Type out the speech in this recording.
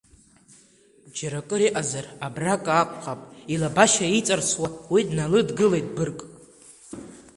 Џьаракыр иҟазар абраҟа акәхап, илабашьа иҵарсуа уи дналыдгылеит быргк.